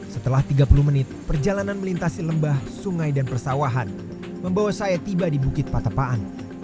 setelah tiga puluh menit perjalanan melintasi lembah sungai dan persawahan membawa saya tiba di bukit patepaan